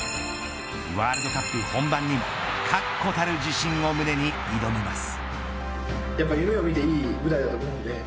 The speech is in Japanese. ワールドカップ本番にも確固たる自信を胸に挑みます。